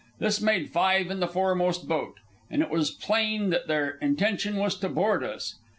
This made five in the foremost boat, and it was plain that their intention was to board us.